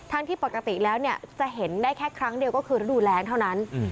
ที่ปกติแล้วเนี่ยจะเห็นได้แค่ครั้งเดียวก็คือฤดูแรงเท่านั้น